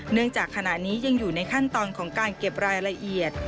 จากขณะนี้ยังอยู่ในขั้นตอนของการเก็บรายละเอียด